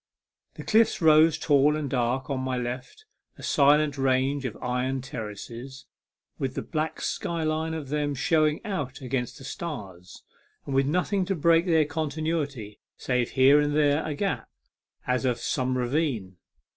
The cliffs rose tall and dark on my left, a silent range of iron terraces, with the black sky line of them showing out against the stars, and with nothing to break their continuity save here and there a gap, as of some ravine.